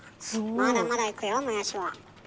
まだまだいくよモヤシは。